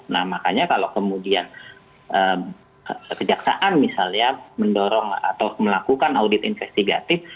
nah makanya kalau kemudian kejaksaan misalnya mendorong atau melakukan audit investigatif